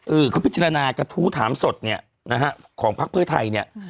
เขาพิจารณากระทู้ถามสดเนี่ยนะฮะของพักเพื่อไทยเนี่ย